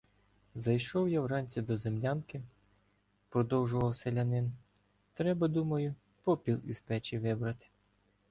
— Зайшов я вранці до землянки, — продовжував селянин, — треба, думаю, попіл із печі вибрати.